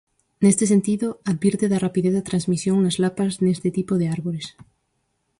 Neste sentido, advirte da rapidez da transmisión das lapas neste tipo de árbores.